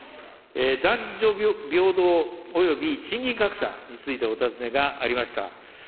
男女平等および賃金格差についてお尋ねがありました。